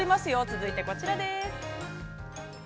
続いて、こちらです。